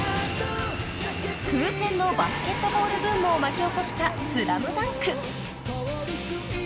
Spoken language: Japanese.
［空前のバスケットボールブームを巻き起こした『ＳＬＡＭＤＵＮＫ』］